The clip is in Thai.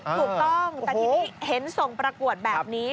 ถูกต้องแต่ทีนี้เห็นส่งประกวดแบบนี้